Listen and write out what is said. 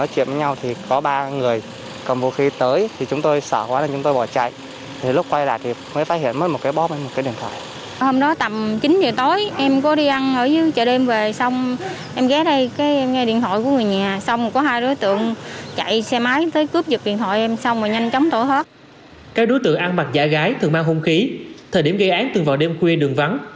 các đối tượng ăn mặc giả gái thường mang hung khí thời điểm gây án từng vào đêm khuya đường vắng